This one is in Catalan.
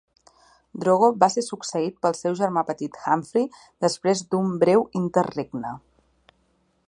Drogo va ser succeït pel seu germà petit Humphrey després d'un breu interregne.